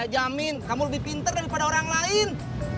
jamin kamu lebih pinter daripada orang lain